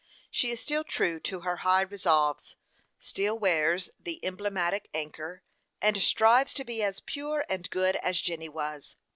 She is still true to her high resolves; still wears the emblematic anchor, and strives to be as pure and good as Jenny was.